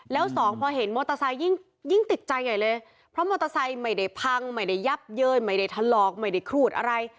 แล้วสองพอเห็นมอเตอร์ไซค์ยิ่งติดใจใหญ่เลยเพราะมอเตอร์ไซค์ไม่ได้พังไม่ได้ยับเย้ยไม่ได้ถลอกไม่ได้ครูดอะไร